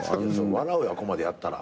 笑うよあっこまでやったら。